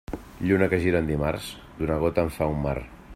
Lluna que gira en dimarts, d'una gota en fa un mar.